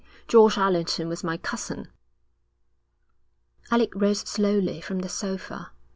George Allerton was my cousin.' Alec rose slowly from the sofa.